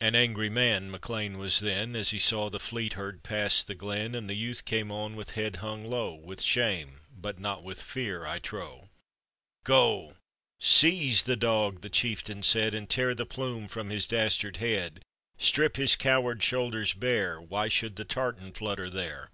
An angry man MacLean was then As he saw the fleet herd pass the glen, And the youth came on with head hung low, With shame but not with fear, I trow. "Go, seize the dog," the chieftain said, " And tear the plume from his dastard head; Strip his coward shoulders bare, Why should the tartan flutter there?